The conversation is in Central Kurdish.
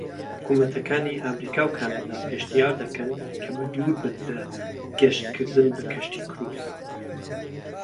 حکومەتەکانی ئەمەریکا و کەنەدا پێشنیاز دەکەن کە بە دووربن لە گەشتکردن بە کەشتی کروس.